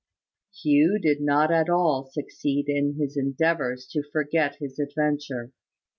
Hugh did not at all succeed in his endeavours to forget his adventure.